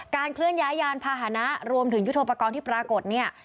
เคลื่อนย้ายยานพาหนะรวมถึงยุทธโปรกรณ์ที่ปรากฏเนี่ย